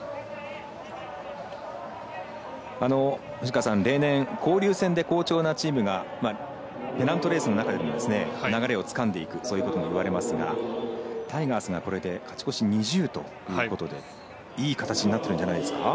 藤川さん、例年交流戦で好調なチームがペナントレースの中でも流れをつかんでいくそういうことも言われますがタイガースがこれで勝ち越し２０ということでいい形になってくるんじゃないですか。